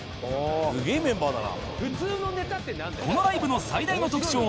「すげえメンバーだな」